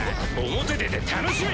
表出て楽しめ！